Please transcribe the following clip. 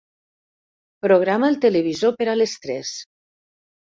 Programa el televisor per a les tres.